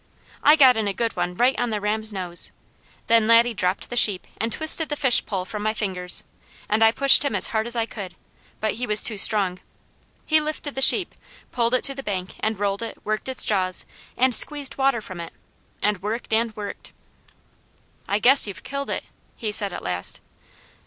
I got in a good one right on the ram's nose. Then Laddie dropped the sheep and twisted the fish pole from my fingers, and I pushed him as hard as I could, but he was too strong. He lifted the sheep, pulled it to the bank, and rolled it, worked its jaws, and squeezed water from it, and worked and worked. "I guess you've killed it!" he said at last.